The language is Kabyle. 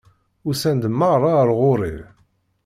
Usan-d meṛṛa ar ɣur-i!